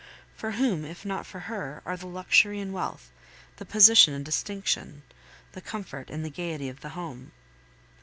For whom, if not for her, are the luxury and wealth, the position and distinction, the comfort and the gaiety of the home?